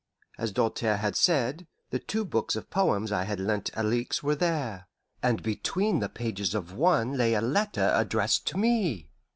As Doltaire had said, the two books of poems I had lent Alixe were there, and between the pages of one lay a letter addressed to me.